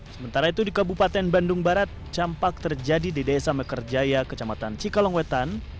sementara itu di kabupaten bandung barat campak terjadi di desa mekarjaya kecamatan cikalongwetan